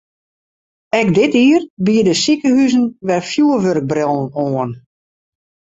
Ek dit jier biede sikehuzen wer fjurwurkbrillen oan.